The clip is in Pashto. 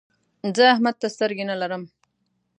زه احمد ته سترګې نه لرم.